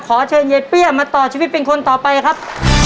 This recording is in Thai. ขอเชิญยายเปี้ยมาต่อชีวิตเป็นคนต่อไปครับ